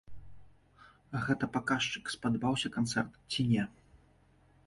Гэта паказчык, спадабаўся канцэрт ці не.